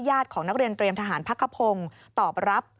ญาติของนักเรียนเตรียมทหารพักกระพงตอบรับ